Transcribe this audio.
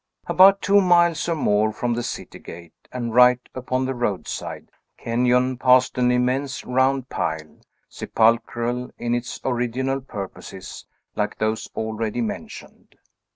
About two miles, or more, from the city gate, and right upon the roadside, Kenyon passed an immense round pile, sepulchral in its original purposes, like those already mentioned.